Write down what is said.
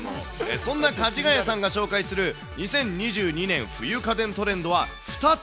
そんなかじがやさんが紹介する２０２２年冬家電トレンドは２つ。